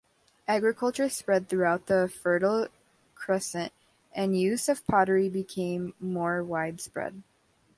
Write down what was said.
Agriculture spread throughout the Fertile Crescent and use of pottery became more widespread.